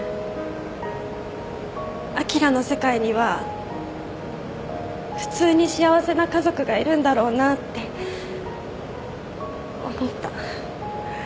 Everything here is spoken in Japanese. あきらの世界には普通に幸せな家族がいるんだろうなって思った。